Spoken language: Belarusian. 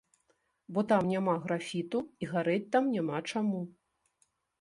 Бо там няма графіту і гарэць там няма чаму.